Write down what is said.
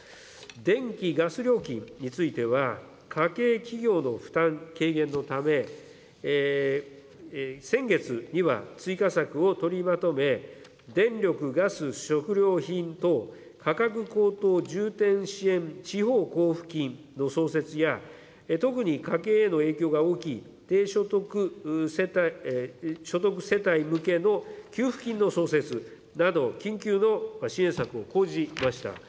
電気・ガス料金については、家計、企業の負担軽減のため、先月には追加策を取りまとめ、電力、ガス、食料品等価格高騰重点支援地方交付金の創設や、特に家計への影響が大きい低所得世帯向けの給付金の創設など、緊急の支援策を講じました。